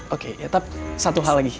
oke ya tapi satu hal lagi